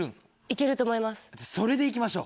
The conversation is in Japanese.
行けると思います。